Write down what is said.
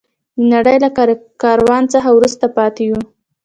د نړۍ له کاروان څخه وروسته پاتې یو.